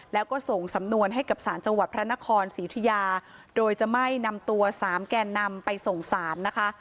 แล้วก็ส่งสำนวนให้กับศาลจังหวัดพระนครศรีอุทิยาโดยจะไม่นำตัวสามแก่นำไปส่งสารนะคะ